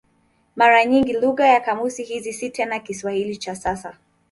Mara nyingi lugha ya kamusi hizi si tena Kiswahili cha kisasa.